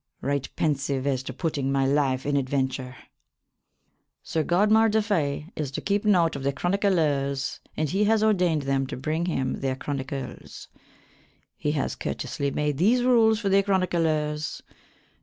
Right pensyve as to putting my lyfe in adventure. Sir Godmar de Fay is to kepe note of the chronyclers and he has ordayned them to bring him their chronycles. He has curtesly made these rules for the chronyclers.